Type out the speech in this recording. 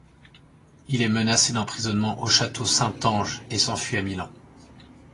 Il est menacé d'emprisonnement au château Saint-Ange et s'enfuit à Milan.